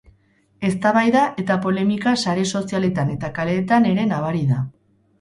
Eztabaida eta polemika sare sozialetan eta kaleetan ere nabari da.